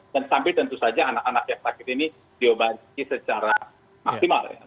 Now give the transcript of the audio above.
dan sambil tentu saja anak anak yang sakit ini diobati secara maksimal